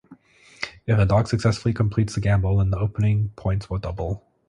If the dog successfully completes the gamble then the opening points will double.